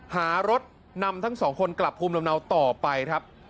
หารถนำทั้งสองคนกลับภูมิลำเนาต่อไปครับ